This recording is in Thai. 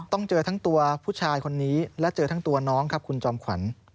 ต้องเจอทั้งตัวผู้ชายคนนี้และเจอทั้งตัวน้องครับคุณจอมขวัญ